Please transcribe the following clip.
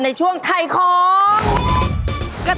ในช่วงถ่ายของ